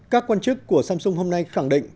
các quan chức của samsung hôm nay khẳng định